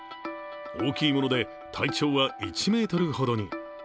大きいもので体長は１ｍほどに。